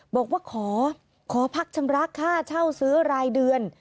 บอกว่าขอพักชำระค่าเช่าซื้อรายเดือน